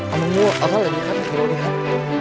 เอาละดีครับ